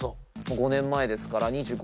５年前ですから。